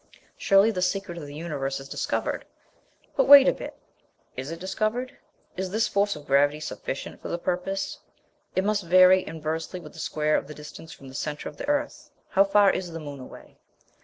Surely the secret of the universe is discovered! But, wait a bit; is it discovered? Is this force of gravity sufficient for the purpose? It must vary inversely with the square of the distance from the centre of the earth. How far is the moon away?